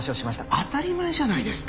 当たり前じゃないですか！